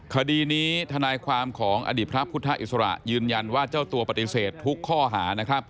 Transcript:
คดีนี้ทนายความของอดีตพระพุทธอิสระยืนยันว่าเจ้าตัวปฏิเสธทุกข้อหานะครับ